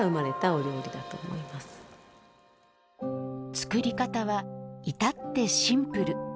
作り方は至ってシンプル。